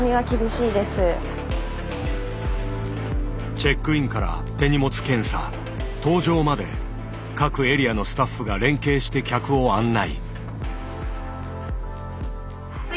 チェックインから手荷物検査搭乗まで各エリアのスタッフが連携して客を案内。